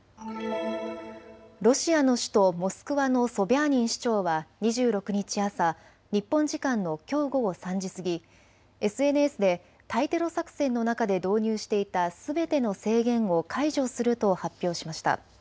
ロシアの首都モスクワのソビャーニン市長は２６日朝、日本時間のきょう午後３時過ぎ、ＳＮＳで対テロ作戦の中で導入していたすべての制限を解除すると発表しました。